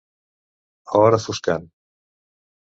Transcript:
A hora foscant.